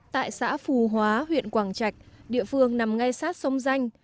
tại xã phù hóa huyện quảng trạch địa phương nằm ngay sát sông danh